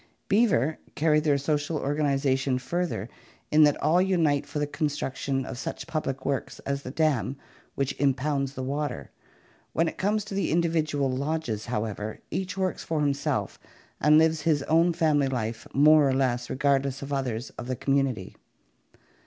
Beaver carry their social organization further in that all unite for the construction of such public works as the dam which im pounds the water. When it comes to the individual lodges, how ever, each works for himself and lives his own family life more or less regardless of others of the community.